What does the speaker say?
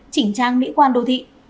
chỉnh trang mỹ quan đô thị